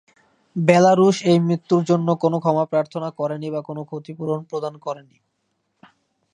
বেলারুশ এই মৃত্যুর জন্য কোন ক্ষমা প্রার্থনা করেনি বা কোন ক্ষতিপূরণ প্রদান করেনি।